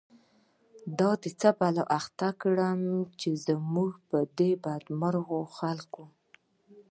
دا دی څه بلا اخته کړه، زموږ په دی بد مرغو خلکو